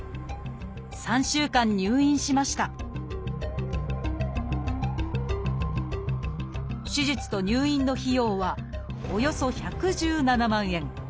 ３週間入院しました手術と入院の費用はおよそ１１７万円。